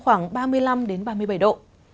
khoảng ba mươi năm ba mươi bảy độ